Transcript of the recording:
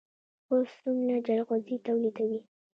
خوست څومره جلغوزي تولیدوي؟